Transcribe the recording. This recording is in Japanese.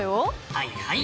はいはい。